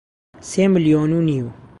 سێ ملیۆن و نیو